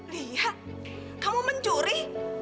lihat kamu mencuri